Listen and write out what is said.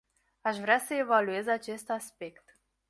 Aș vrea să evaluez acest aspect.